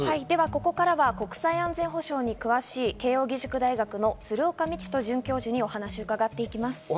ここからは国際安全保障に詳しい慶應義塾大学の鶴岡路人准教授にお話を伺っていきます。